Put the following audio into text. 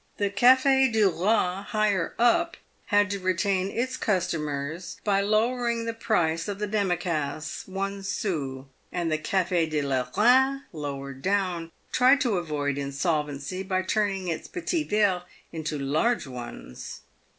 The Cafe du Boi, higher up, had to retain its customers by lowering the price of the demi tasse PAVED WITH GOLD. 337 one sou, and the Cafe do la Heine, lower <lown, tried to avoid insol vency by turning its petits verves into large ones.